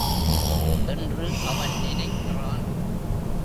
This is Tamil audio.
என்று அவன் நினைக்கிறான்.